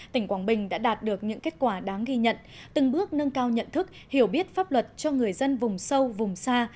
tỉnh quảng bình đã đạt được những kết quả đáng ghi nhận từng bước nâng cao nhận thức hiểu biết pháp luật cho người dân vùng sâu vùng xa